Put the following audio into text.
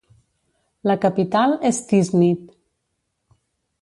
La capital és Tiznit.